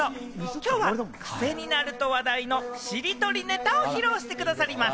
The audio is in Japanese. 今日はクセになると話題のしりとりネタを披露してくださります。